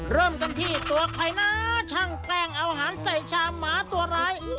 เริ่มกันที่ตัวใครนะช่างแกล้งเอาอาหารใส่ชามหมาตัวร้าย